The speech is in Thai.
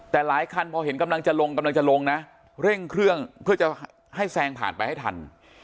แต่หลายคันพอเห็นกำลังจะลงกำลังจะลงนะเร่งเครื่องเพื่อจะให้แซงผ่านไปให้ทัน